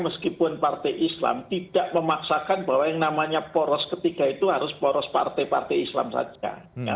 meskipun partai islam tidak memaksakan bahwa yang namanya poros ketiga itu harus poros partai partai islam saja